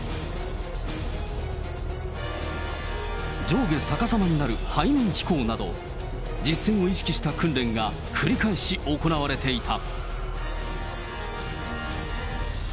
上下さかさまになる背面飛行など、実戦を意識した訓練が繰り返し行われていた。